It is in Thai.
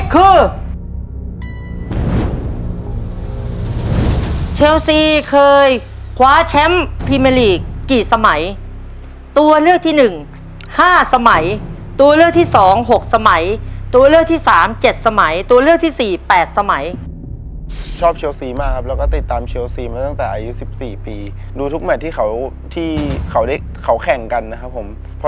เพราะฉะนั้นยายต้องเล่นมือหน่อยครับยายจ๋าได้ยังได้ยัง